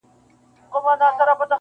لېوه سمبول دنني وحشت ښيي ډېر,